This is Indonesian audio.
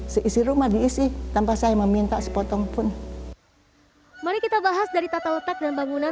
seisi rumah diisi tanpa saya meminta sepotong pun mari kita bahas dari tata letak dan bangunan